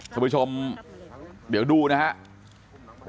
คุณผู้ชมเดี๋ยวดูนะครับ